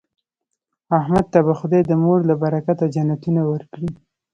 احمد ته به خدای د مور له برکته جنتونه ورکړي.